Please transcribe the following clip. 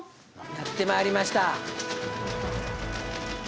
やって参りました。